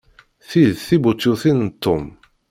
Ti d tibutyutin n Tom.